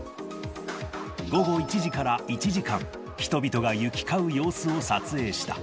午後１時から１時間、人々が行き交う様子を撮影した。